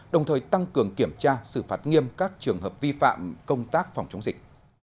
đồng thời tăng cường kiểm tra xử phạt nghiêm các trường hợp vi phạm công tác phòng chống dịch